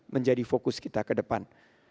menjadi fokus kita ke depan